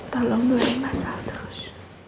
tolong dulu masalah terus